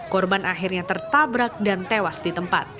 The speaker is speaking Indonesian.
korban akhirnya tertabrak dan tewas di tempat